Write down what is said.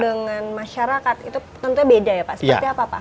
seperti apa pak hasilnya